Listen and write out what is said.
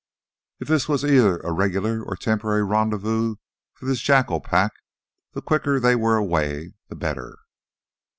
If this were either a regular or temporary rendezvous for this jackal pack, the quicker they were away, the better.